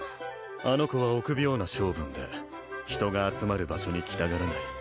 あの子は臆病な性分で人が集まる場所に来たがらない